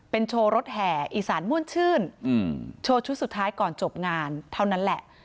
โชว์รถแห่อีสานม่วนชื่นโชว์ชุดสุดท้ายก่อนจบงานเท่านั้นแหละ